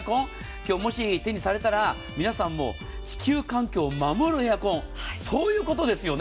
今日、もし手にされたら皆さんも地球環境を守るエアコンそういうことですよね。